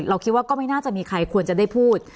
คิดว่าก็ไม่น่าจะมีใครควรจะได้พูด